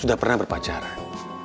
sudah pernah berpacaran